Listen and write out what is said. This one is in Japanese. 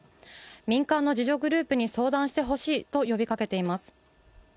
民間の自助グループに相談してほしいと呼びかけています。